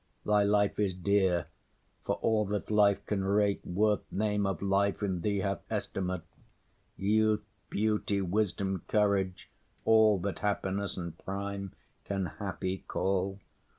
Thy life is dear, for all that life can rate Worth name of life in thee hath estimate: Youth, beauty, wisdom, courage, all That happiness and prime can happy call.